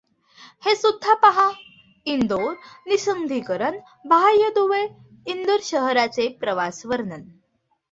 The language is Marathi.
हे सुद्धा पहा इंदूर निःसंदिग्धीकरण बाह्य दुवे इंदूर शहराचे प्रवासवर्णन.